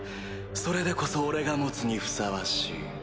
それでこそ俺が持つにふさわしい。